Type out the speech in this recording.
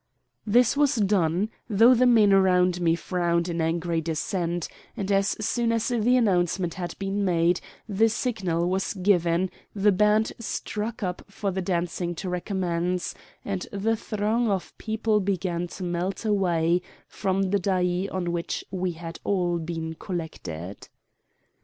This was done, though the men round me frowned in angry dissent; and as soon as the announcement had been made the signal was given, the band struck up for the dancing to recommence, and the throng of people began to melt away from the dais on which we had all been collected.